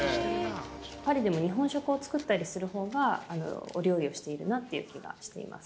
パリでも日本食を作ったりする方が、お料理をしているなって気がしてます。